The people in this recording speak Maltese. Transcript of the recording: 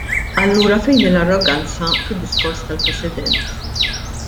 Allura fejn hi l-arroganza fid-Diskors tal-President?